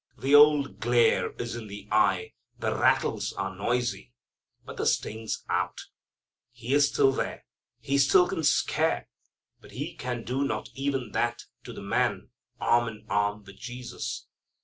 The old glare is in the eye, the rattles are noisy, but the sting's out. He is still there. He still can scare; but can do not even that to the man arm in arm with Jesus.